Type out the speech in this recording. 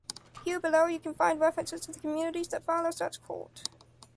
Here below you can find references to the communities that follow such cult.